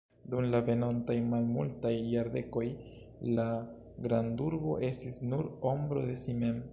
Dum la venontaj malmultaj jardekoj la grandurbo estis nur ombro de si mem.